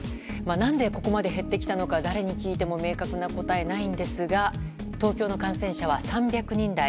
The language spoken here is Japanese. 何でここまで減ってきたのか誰に聞いても明確な答えはないんですが東京の感染者は３００人台。